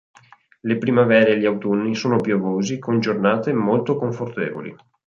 Le primavere e gli autunni sono piovosi con giornate molto confortevoli.